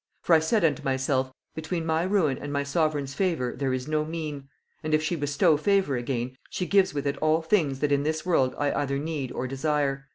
For I said unto myself, Between my ruin and my sovereign's favor there is no mean: and if she bestow favor again, she gives with it all things that in this world I either need or desire.